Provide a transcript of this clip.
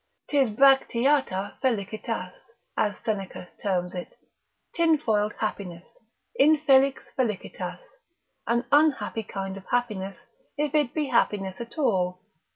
'Tis Bracteata felicitas, as Seneca terms it, tinfoiled happiness, infelix felicitas, an unhappy kind of happiness, if it be happiness at all.